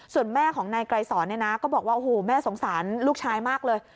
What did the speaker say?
ส่วนแม่ของนายไกรสอนก็บอกว่าแม่สงสารลูกชายมากเลย